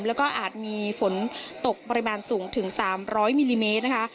แล้วก็อาจมีฝนตกปริมาณสูงถึง๓๐๐มิลลิเมตรนะคะ